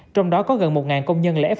trong đó có gần một công nhân là f